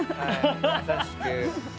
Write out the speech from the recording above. まさしく。